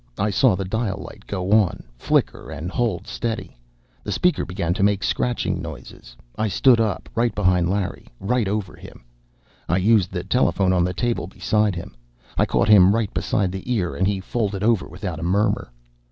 I saw the dial light go on, flicker, and hold steady; the speaker began to make scratching noises. I stood up, right behind Larry, right over him. I used the telephone on the table beside him. I caught him right beside the ear and he folded over without a murmur.